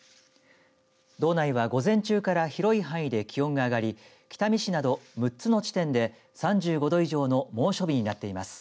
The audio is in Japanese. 道内は午前中から広い範囲で気温が上がり北見市など６つの地点で３５度以上の猛暑日になっています。